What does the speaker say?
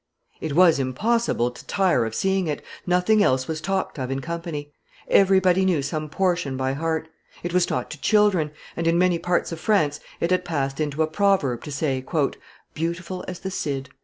It was impossible to tire of seeing it, nothing else was talked of in company; everybody knew some portion by heart; it was taught to children, and in many parts of France it had passed into a proverb to say, "Beautiful as the Cid."